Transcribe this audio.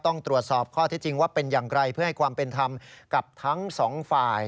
ต้องตรวจสอบข้อที่จริงว่าเป็นอย่างไรเพื่อให้ความเป็นธรรมกับทั้งสองฝ่าย